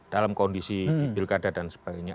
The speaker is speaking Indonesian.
dalam kondisi di pilkada dan sebagainya